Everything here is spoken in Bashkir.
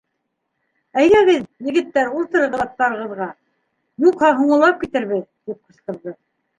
— Әйҙәгеҙ, егеттәр, ултырығыҙ аттарығыҙға, юҡһа һуңлап китербеҙ, — тип ҡысҡырҙы.